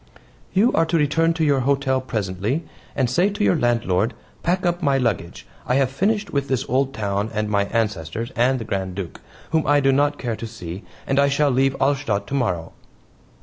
"You are to return to your hotel presently, and say to your landlord: 'Pack up my luggage. I have finished with this old town and my ancestors, and the Grand Duke, whom I do not care to see, and I shall leave Alstadt tomorrow!'"